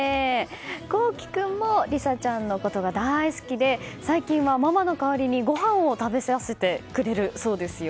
功貴君も里彩ちゃんのことが大好きで最近は、ママの代わりにごはんを食べさせてくれるそうですよ。